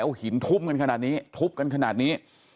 หินทุ่มกันขนาดนี้ทุบกันขนาดนี้